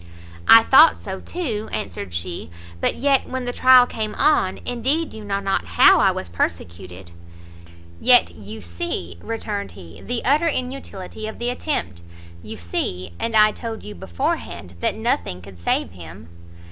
"I thought so too," answered she, "but yet when the trial came on, indeed you know not how I was persecuted." "Yet you see," returned he, "the utter inutility of the attempt; you see, and I told you beforehand, that nothing could save him."